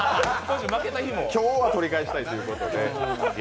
今日は取り返したいということで。